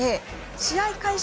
試合開始